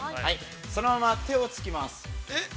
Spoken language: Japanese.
そのまま手をつきます。